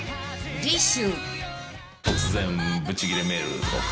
［次週］